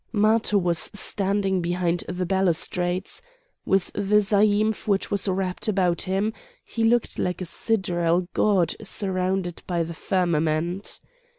Matho was standing behind the balustrades. With the zaïmph which was wrapped about him, he looked like a sidereal god surrounded by the firmament.